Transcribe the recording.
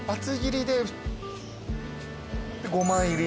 で５枚入り。